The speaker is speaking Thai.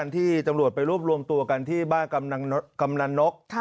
ที่ตำรวจไปรวบรวมตัวกันที่บ้านกำนันนก